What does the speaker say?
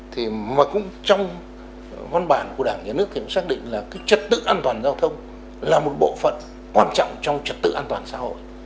thì mà cũng trong văn bản của đảng nhà nước thì cũng xác định là cái trật tự an toàn giao thông là một bộ phận quan trọng trong trật tự an toàn xã hội